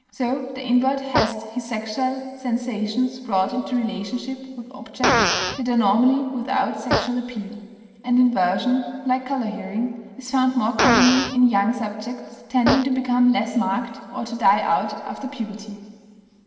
so the invert has his sexual sensations brought into relationship with objects that are normally without sexual appeal. And inversion, like color hearing is found more commonly in young subjects, tending to become less marked, or to die out, after puberty.